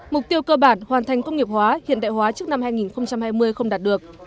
mục tiêu cơ bản hoàn thành công nghiệp hóa hiện đại hóa trước năm hai nghìn hai mươi không đạt được